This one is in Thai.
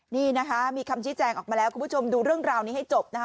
นี่นะคะมีคำชี้แจงออกมาแล้วคุณผู้ชมดูเรื่องราวนี้ให้จบนะคะ